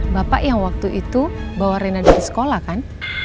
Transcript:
bapak yang waktu itu bawa rena dari sekolah kan